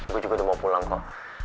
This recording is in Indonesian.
gue juga udah mau pulang kok